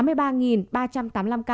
lòng an ba mươi bảy năm trăm năm mươi bốn ca